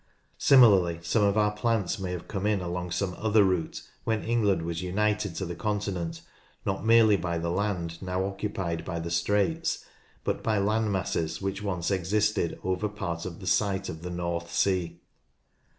Similarly some of our plants may have come in along some other route when England was united to the Continent not merely by the land now occupied by the straits, but by land masses which once existed over part of the site of the North Sea.